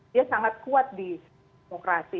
dia sangat kuat di demokrasi